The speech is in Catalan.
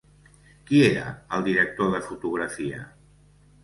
Qui era el director de fotografia?